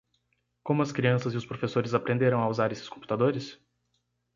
Como as crianças e os professores aprenderão a usar esses computadores?